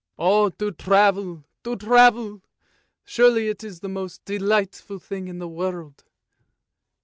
"Oh, to travel, to travel! surely it is the most delightful thing in the world.